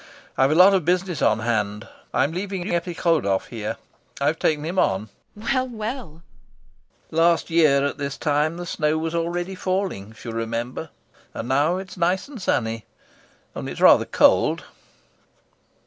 I've a lot of business on hand. I'm leaving Epikhodov here... I've taken him on. VARYA. Well, well! LOPAKHIN. Last year at this time the snow was already falling, if you remember, and now it's nice and sunny. Only it's rather cold....